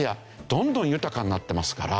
どんどん豊かになってますから。